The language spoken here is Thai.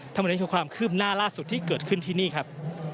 ทำให้มีความคืบหน้าล่าสุดที่เกิดขึ้นที่นี่ครับ